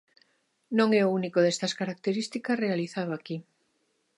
Non é o único destas características realizado aquí.